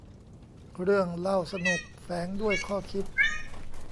เรื่องเล่าสนุกแฝงด้วยข้อคิด